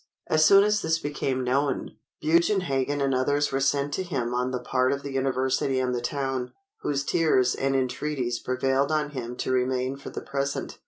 As soon as this became known, Bugenhagen and others were sent to him on the part of the University and the town, whose tears and entreaties prevailed on him to remain for the present.